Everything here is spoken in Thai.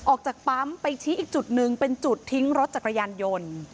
ออกจากปั๊มไปชี้อีกจุดหนึ่งเป็นจุดทิ้งรถจักรยานยนต์